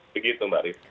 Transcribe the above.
begitu mbak rif